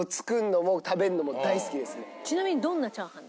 僕もちなみにどんなチャーハン？